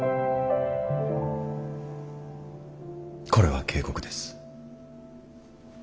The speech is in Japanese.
これは警告です。